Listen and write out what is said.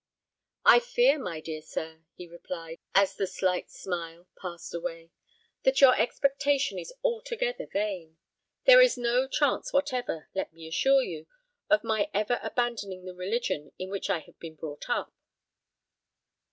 "I fear, my dear sir," he replied, as the slight smile passed away, "that your expectation is altogether vain. There is no chance whatever, let me assure you, of my ever abandoning the religion in which I have been brought up."